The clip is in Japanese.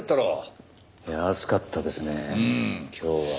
いやあ暑かったですね今日は。